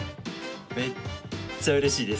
めっちゃうれしいです。